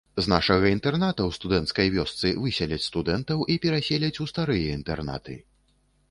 З нашага інтэрната ў студэнцкай вёсцы высяляць студэнтаў і пераселяць у старыя інтэрнаты.